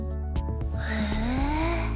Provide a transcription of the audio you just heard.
へえ。